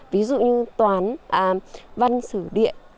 ví dụ như toán văn sử địa